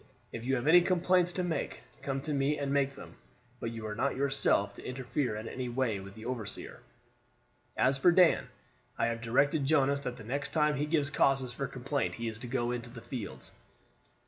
If you have any complaints to make, come to me and make them; but you are not yourself to interfere in any way with the overseer. As for Dan, I have directed Jonas that the next time he gives cause for complaint he is to go into the fields."